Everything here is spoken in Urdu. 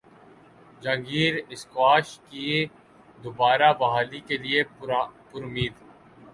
جہانگیر اسکواش کی دوبارہ بحالی کیلئے پرامید